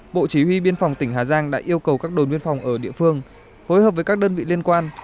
bộ chỉ huy biên phòng tỉnh hà giang đã yêu cầu các đồn biên phòng ở địa phương phối hợp với các đơn vị liên quan